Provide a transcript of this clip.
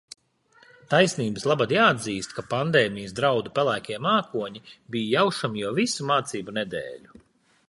Taisnības labad jāatzīst, ka pandēmijas draudu pelēkie mākoņi bija jaušami jau visu mācību nedēļu.